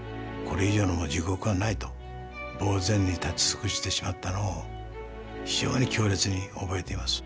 これ以上の地獄はないとぼうぜんに立ち尽くしてしまったのを非常に強烈に覚えています。